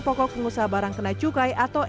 pokok pengusaha barang kena cukai atau